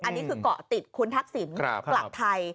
อันนี้คือเกาะติดคุณทักษิณกลับไทย